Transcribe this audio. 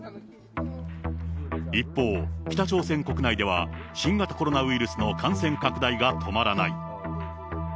一方、北朝鮮国内では新型コロナウイルスの感染拡大が止まらない。